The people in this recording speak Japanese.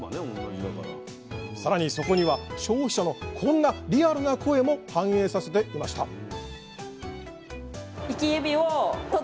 更にそこには消費者のこんなリアルな声も反映させていました